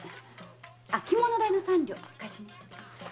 着物代の三両貸しにしときます。